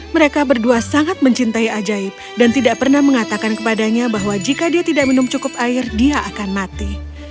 mereka berdua sangat mencintai ajaib dan tidak pernah mengatakan kepadanya bahwa jika dia tidak minum cukup air dia akan mati